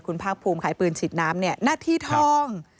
คุณภาคภูมิขายปืนฉีดน้ำเนี่ยหน้าที่ทอง